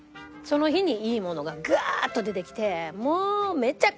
その日にいいものがガーッと出てきてもう。